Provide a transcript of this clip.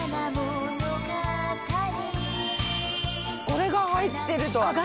これが入ってるとは。